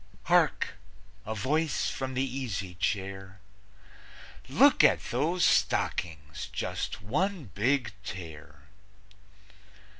(Hark! A voice from the easy chair: "Look at those stockings! Just one big tear!")